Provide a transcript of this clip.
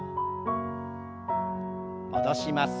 戻します。